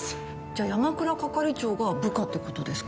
じゃあ山倉係長が部下ってことですか？